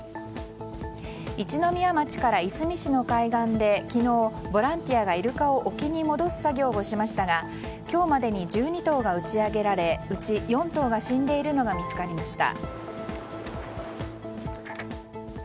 一宮町からいすみ市の海岸で昨日ボランティアがイルカを沖に戻す作業をしましたが今日までに１２頭が打ち揚げられうち４頭が死んでいるのが見つかりました。